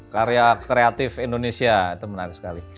karya kreatif indonesia itu menarik sekali